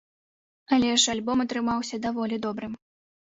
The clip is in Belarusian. Але ж альбом атрымаўся даволі добрым.